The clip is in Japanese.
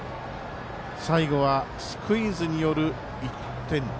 最後はスクイズによる１点。